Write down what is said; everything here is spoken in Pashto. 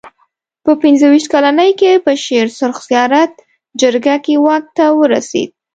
په پنځه ویشت کلنۍ کې په شېر سرخ زیارت جرګه کې واک ته ورسېد.